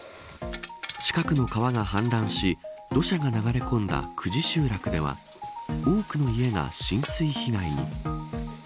近くの川が氾濫し土砂が流れ込んだ久慈集落では多くの家が浸水被害に。